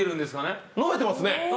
飲めてますね。